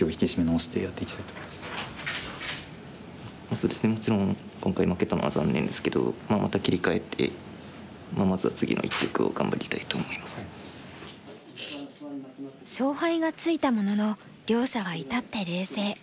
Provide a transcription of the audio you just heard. そうですねもちろん今回負けたのは残念ですけど勝敗がついたものの両者は至って冷静。